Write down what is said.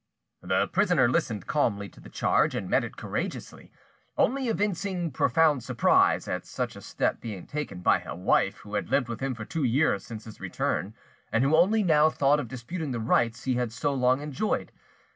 The prisoner listened calmly to the charge, and met it courageously, only evincing profound surprise at such a step being taken by a wife who had lived with him for two years since his return, and who only now thought of disputing the rights he had so long enjoyed.